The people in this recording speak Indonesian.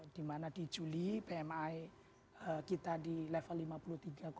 dimana di juli pmi kita di level lima puluh tiga tiga